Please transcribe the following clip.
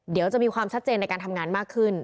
เดี๋ยวจะมีความชัดเจนในการทำงานมากขึ้น